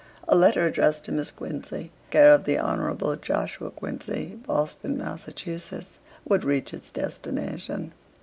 A letter addressed to Miss Quincey, care of the Honble Josiah Quincey, Boston, Massachusetts, would reach its destination.'